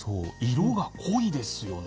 色が濃いですよね。